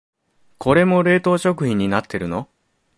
これも冷凍食品になってるの？